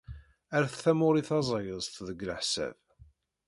Rret tamuɣli tazayezt deg leḥsab.